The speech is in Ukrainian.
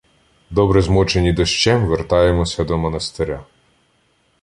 Добре змочені дощем, вертаємося до монастиря.